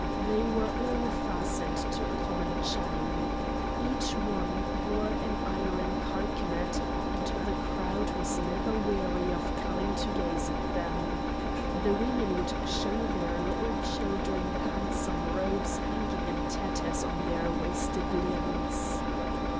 They were all fastened to a common chain. Each one wore an iron carcanet, and the crowd was never weary of coming to gaze at them. The women would show their little children the handsome robes hanging in tatters on their wasted limbs.